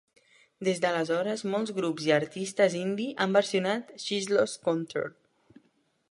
Des d'aleshores, molts grups i artistes indie han versionat She's Lost Control.